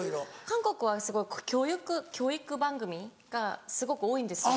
韓国は教育番組がすごく多いんですよ。